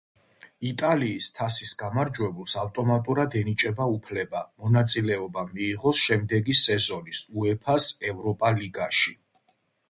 იტალიის თასის გამარჯვებულს ავტომატურად ენიჭება უფლება მონაწილეობა მიიღოს შემდეგი სეზონის უეფა-ს ევროპა ლიგაში.